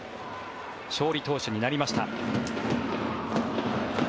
勝利投手になりました。